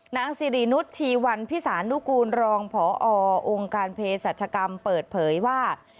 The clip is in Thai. นางศิรินุชชีวัณภิษานุกูลรองค์พอองค์การเพจสัจกรรมเปิดเผยว่า